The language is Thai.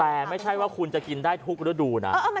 แต่ไม่ใช่ว่าคุณจะกินได้ทุกฤดูนะ